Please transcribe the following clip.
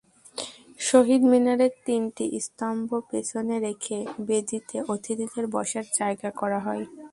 শহীদ মিনারের তিনটি স্তম্ভ পেছনে রেখে বেদিতে অতিথিদের বসার জায়গা করা হয়।